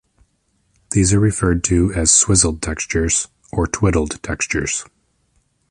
These are referred to as "swizzled textures" or "twidled textures".